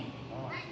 はい！